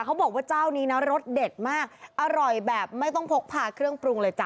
เขาบอกว่าเจ้านี้นะรสเด็ดมากอร่อยแบบไม่ต้องพกพาเครื่องปรุงเลยจ้